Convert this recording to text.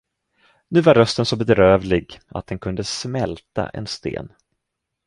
Nu var rösten så bedrövlig, att den kunde smälta en sten.